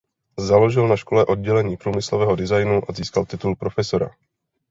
Založil na škole oddělení průmyslového designu a získal titul profesora.